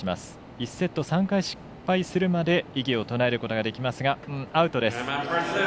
１セット、３回失敗するまで異議を唱えることができますがアウトです。